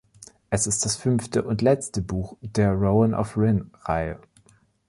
Es ist das fünfte und letzte Buch der „Rowan of Rin“ Reihe.